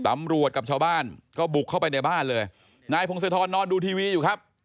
กับชาวบ้านก็บุกเข้าไปในบ้านเลยนายพงศธรนอนดูทีวีอยู่ครับ